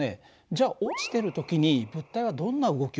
じゃあ落ちてる時に物体はどんな動きをしてると思う？